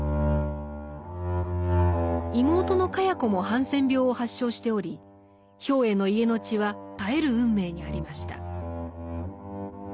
妹の茅子もハンセン病を発症しており兵衛の家の血は絶える運命にありました。